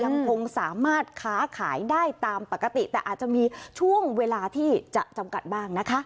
ยังคงสามารถค้าขายได้ตามปกติแต่อาจจะมีช่วงเวลาที่จะจำกัดบ้างนะคะ